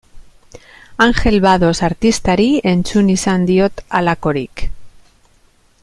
Angel Bados artistari entzun izan diot halakorik.